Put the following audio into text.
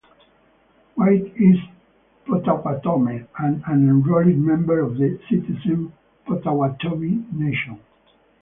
Whyte is Potawatomi and an enrolled member of the Citizen Potawatomi Nation.